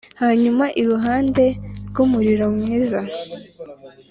hanyuma iruhande rw'umuriro mwiza